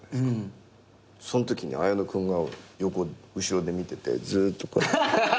そんときに綾野君が後ろで見ててずっとこう。